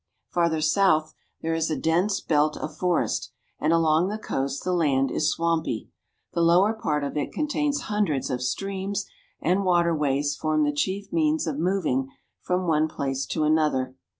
Farther south there is a dense belt of forest, and along the coast the land is swampy. The lower part of it con tains hundreds of streams, and water ways form the chief means of moving from one place to another.